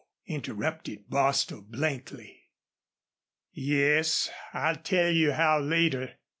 interrupted Bostil, blankly. "Yes. I'll tell you how later....